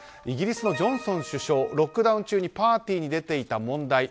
イギリスのジョンソン首相ロックダウン中にパーティーに出ていた問題。